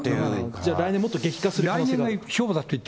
じゃあ、来年、もっと激化するって？